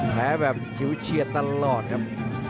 แพ้แบบชิวเชียร์ตลอดครับ